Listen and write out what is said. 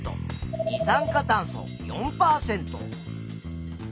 二酸化炭素４％。